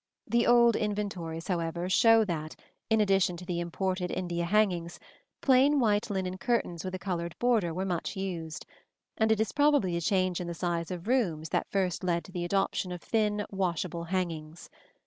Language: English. The old inventories, however, show that, in addition to the imported India hangings, plain white linen curtains with a colored border were much used; and it is probably the change in the size of rooms that first led to the adoption of thin washable hangings.